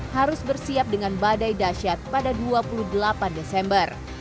harus bersiap dengan badai dasyat pada dua puluh delapan desember